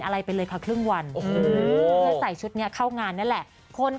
หลายคนเอามือทาบอก